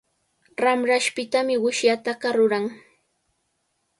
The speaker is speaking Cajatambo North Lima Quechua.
Ramrashpitami wishllataqa ruran.